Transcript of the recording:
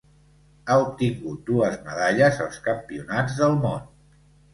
Ha obtingut dues medalles als Campionats del món.